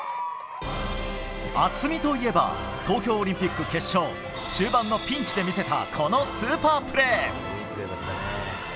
渥美といえば東京オリンピック決勝終盤のピンチで見せたこのスーパープレー。